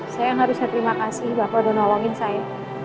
saya yang harusnya terima kasih bapak udah nolongin saya